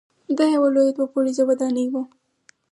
دا یوه لویه دوه پوړیزه ودانۍ وه.